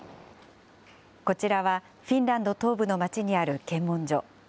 こちらはフィンランド東部の町にある検問所。